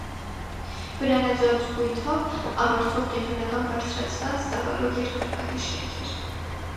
Վրանածածկույթով ավարտվող կենտրոնական բարձրացված ծավալով երկհարկանի շենք էր։